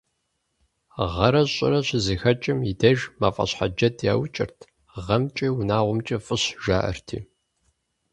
Гъэрэ щӀырэ щызэхэкӀым и деж «мафӀэщхьэджэд» яукӀырт, «гъэмкӀэ, унагъуэмкӀэ фӀыщ», жаӀэрти.